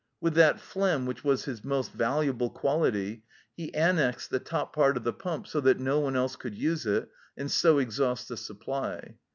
With that phlegm which was his most valuable quality, he annexed the top part of the pump, so that no one else could use it, and so exhaust the supply.